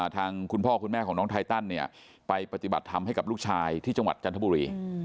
คุณพ่อคุณแม่ของน้องไทตันเนี่ยไปปฏิบัติธรรมให้กับลูกชายที่จังหวัดจันทบุรี